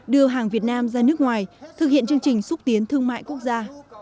đưa hàng việt nam ra nước ngoài thực hiện chương trình xúc tiến thương mại quốc gia